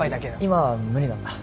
今は無理なんだ。